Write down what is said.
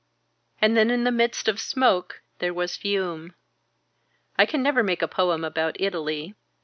And then in the midst of smoke there was Fiume. I can never make a poem about Italy.